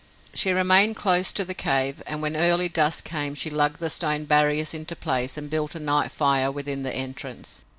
She remained close to the cave, and when early dusk came she lugged the stone barriers into place and built a night fire within the entrance.